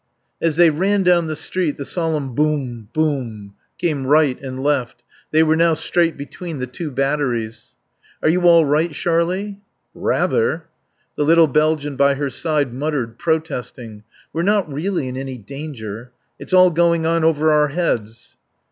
As they ran down the street the solemn Boom Boom came right and left; they were now straight between the two batteries. "Are you all right, Sharlie?" "Rather." The little Belgian by her side muttered, protesting. "We're not really in any danger. It's all going on over our heads."